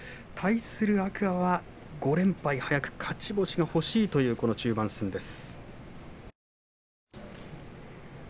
天空海は５連敗、早く勝ち星がほしいという中盤戦です。